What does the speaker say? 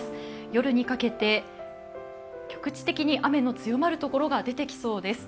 夜にかけて局地的に雨の強まる所が出てきそうです。